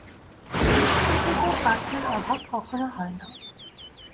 রূপবতীদের পাত্রের অভাব কখনো হয় না।